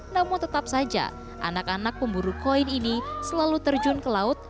namun tetap saja anak anak pemburu koin ini selalu terjun ke laut